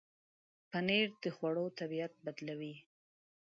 پنېر د خوړو طبعیت بدلوي.